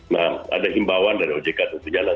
nah ada himbauan dari ojk tentunya